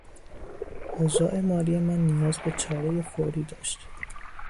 اوضاع مالی من نیاز به چارهی فوری داشت.